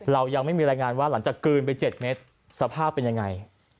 เรายังไม่มีรายงานว่าหลังจากกลืนไป๗เมตรสภาพเป็นยังไง